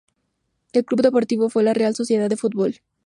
Su club deportivo fue la Real Sociedad de Fútbol.